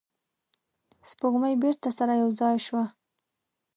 سپوږمۍ بیرته سره یو ځای شوه.